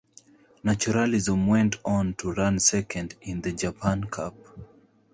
Naturalism went on to run second in the Japan Cup.